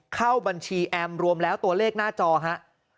เข้าบัญชีแอมรวมแล้วตัวเลขหน้าจอครับ